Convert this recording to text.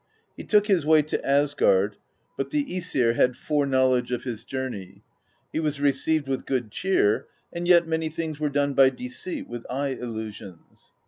He took his way to Asgard, but the iEsir had foreknowledge of his journey ; he was received with good cheer, and yet many things were done by de ceit, with eye illusions.